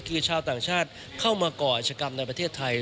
คือชาวต่างชาติเข้ามาก่ออาชกรรมในประเทศไทย